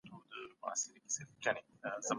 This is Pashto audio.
هېڅکله د ناسمو معلوماتو پر بنسټ قضاوت مه کوئ.